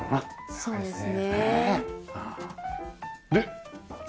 そうですね。